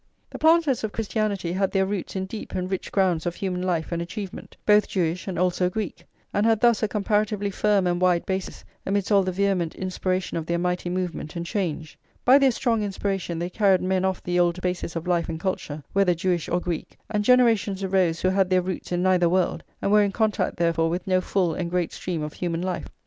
The planters of Christianity had their roots in deep and rich grounds of human life and achievement, both Jewish and also Greek; and had thus a comparatively firm and wide basis amidst all the vehement inspiration of their mighty movement and change. By their strong inspiration they carried men off the old basis of life and culture, whether Jewish or Greek, and generations arose [xlvi] who had their roots in neither world, and were in contact therefore with no full and great stream of human life.